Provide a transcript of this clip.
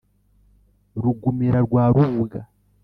rugumira rwa rubuga